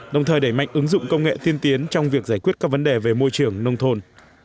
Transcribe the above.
đồng thời đẩy mạnh ứng dụng công nghệ tiên tiến trong việc giải quyết các vấn đề về môi trường nông thôn